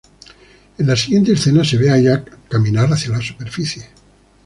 En la siguiente escena se ve a "Jack" caminar hacia la superficie.